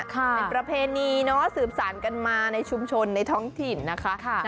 เป็นประเพณีสืบสารกันมาในชุมชนในท้องถิ่นนะคะ